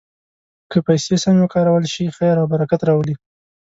که پیسې سمې وکارول شي، خیر او برکت راولي.